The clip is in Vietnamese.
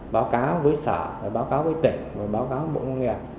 báo cáo với xã báo cáo với tỉnh báo cáo với bộ công nghiệp